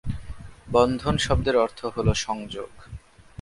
বন্ধন শব্দের অর্থ হল সংযোগ।